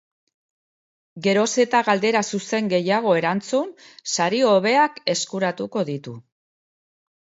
Geroz eta galdera zuzen gehiago erantzun, sari hobeak eskuratuko ditu.